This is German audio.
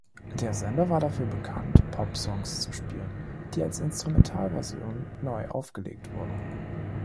Der Sender war dafür bekannt, Popsongs zu spielen, die als Instrumentalversionen neu aufgelegt wurden.